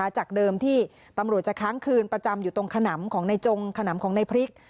จากเดิมที่ตำรวจจะค้างคืนประจำอยู่ตรงขนำของในจงขนำของในพริก